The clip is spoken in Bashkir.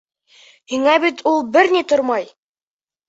Һиңә бит ул бер ни тормай.